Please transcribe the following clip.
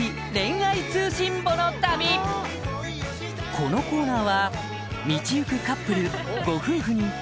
このコーナーは道行くカップルご夫婦に相手の